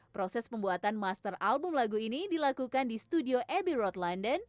proses pembuatan master album lagu ini dilakukan di studio aby road london